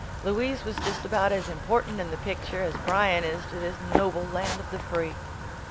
Louise was just about as important in the picture as Bryan is to this noble land of the free.